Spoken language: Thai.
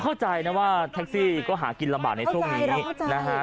เข้าใจนะว่าแท็กซี่ก็หากินลำบากในช่วงนี้นะฮะ